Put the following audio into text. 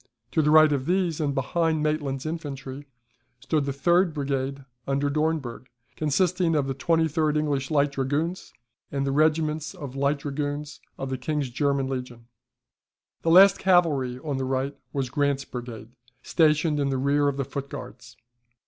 To the right of these, and behind Maitland's infantry, stood the third brigade under Dornberg, consisting of the 23d English Light Dragoons, and the regiments of Light Dragoons of the King's German Legion. The last cavalry on the right was Grant's brigade, stationed in the rear of the Foot Guards.